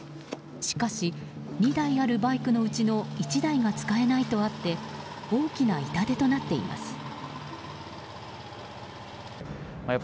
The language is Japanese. しかし２台あるバイクのうちの１台が使えないとあって大きな痛手となっています。